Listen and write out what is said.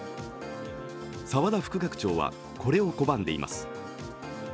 澤田副学長はこれを拒んでいます。